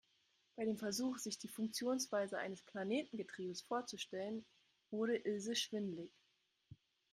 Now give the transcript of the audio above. Bei dem Versuch, sich die Funktionsweise eines Planetengetriebes vorzustellen, wurde Ilse schwindelig.